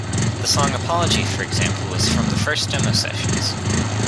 The song 'Apology' for example was from the first demo sessions.